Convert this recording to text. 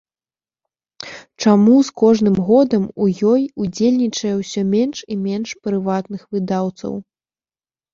Чаму з кожным годам у ёй удзельнічае ўсё менш і менш прыватных выдаўцоў?